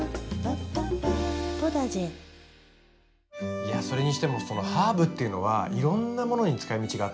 いやそれにしてもハーブっていうのはいろんなものに使いみちがあっていいですね。